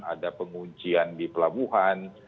ada penguncian di pelabuhan